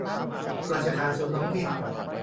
ราชการส่วนท้องถิ่น